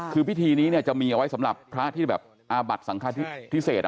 คือพิธีนี้จะมีเอาไว้สำหรับพระที่แบบอาบัติสังคพิเศษ